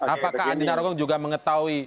apakah andi narogong juga mengetahui